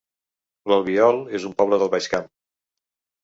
L'Albiol es un poble del Baix Camp